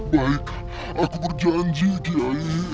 baik aku berjanji kiai